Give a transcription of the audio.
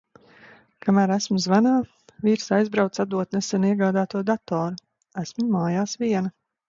Kamēr esmu zvanā, vīrs aizbrauc atdot nesen iegādāto datoru. Esmu mājās viena.